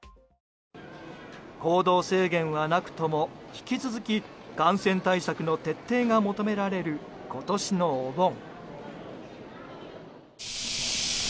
行動制限はなくとも引き続き、感染対策の徹底が求められる今年のお盆。